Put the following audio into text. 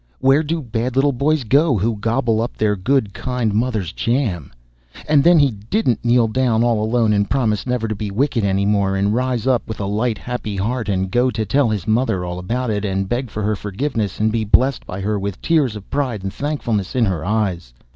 Where do bad little boys go who gobble up their good kind mother's jam?" and then he didn't kneel down all alone and promise never to be wicked any more, and rise up with a light, happy heart, and go and tell his mother all about it, and beg her forgiveness, and be blessed by her with tears of pride and thankfulness in her eyes.